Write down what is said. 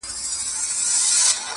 حرام كړى يې وو خوب د ماشومانو -